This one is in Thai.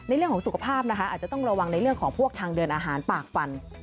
เรื่องของสุขภาพนะคะอาจจะต้องระวังในเรื่องของพวกทางเดินอาหารปากฟัน